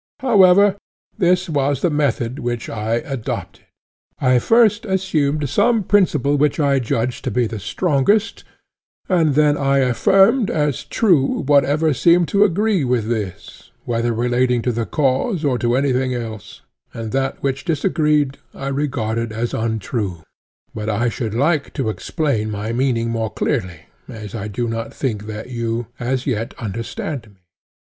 However, this was the method which I adopted: I first assumed some principle which I judged to be the strongest, and then I affirmed as true whatever seemed to agree with this, whether relating to the cause or to anything else; and that which disagreed I regarded as untrue. But I should like to explain my meaning more clearly, as I do not think that you as yet understand me.